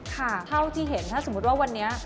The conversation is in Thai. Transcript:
เท่าที่เห็นถ้าสมมุติว่าวันนี้